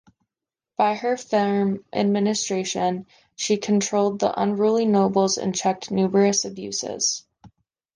By her firm administration, she controlled the unruly nobles and checked numerous abuses.